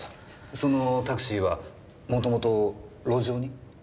そのタクシーはもともと路上に？